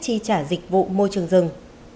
chi trả dịch vụ môi trường rừng